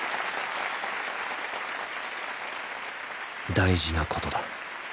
大事なことだ。